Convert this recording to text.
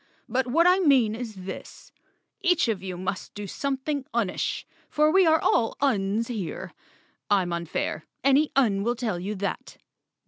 "But what I mean is this: Each of you must do some¬ thing unish, for we are all Uns here. I'm unfair—any Un will tell you that.